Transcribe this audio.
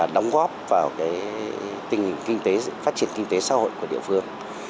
đóng góp vào tình hình phát triển kinh tế xã hội của địa phương